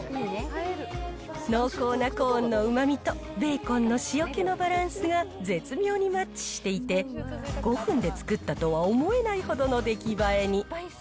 濃厚なコーンのうまみと、ベーコンの塩気のバランスが絶妙にマッチしていて、５分で作ったとは思えないほどの出来栄えに。